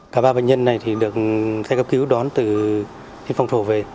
cả ba bệnh nhân này được xe cấp cứu đón từ thiên phong thổ về